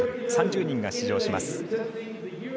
３０人が出場します。